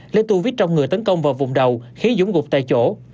lấy tu viết trong người tấn công vào vùng đầu khiến dũng gục tại chỗ